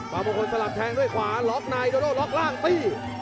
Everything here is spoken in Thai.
ฟ้าบุคคลสลับแทงด้วยขวาล็อกในโดโด่ล็อกล่างตี